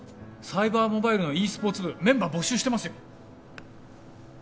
サイバーモバイルのｅスポーツ部メンバー募集してますよ